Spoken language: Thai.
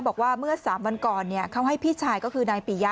บอกว่าเมื่อ๓วันก่อนเขาให้พี่ชายก็คือนายปียะ